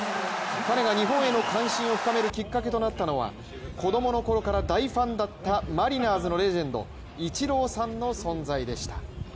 彼が日本への関心を深めるきっかけとなったのは、子供のころから大ファンだったマリナーズのレジェンドイチローさんの存在でした。